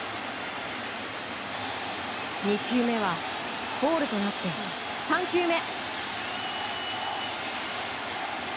２球目はボールとなって３球目。